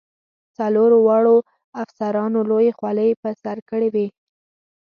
څلورو واړو افسرانو لویې خولۍ په سر کړې وې.